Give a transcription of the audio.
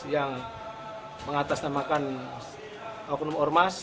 yang mengatasnamakan oknum ormas